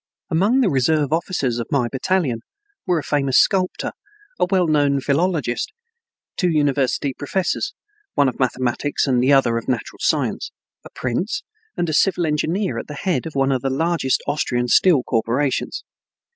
Among the reserve officers of my battalion were a famous sculptor, a well known philologist, two university professors (one of mathematics, the other of natural science), a prince, and a civil engineer at the head of one of the largest Austrian steel corporations.